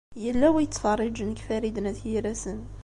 Yella win i yettfeṛṛiǧen deg Farid n At Yiraten.